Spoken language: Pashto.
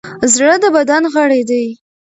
زړه د بدن غړی دی.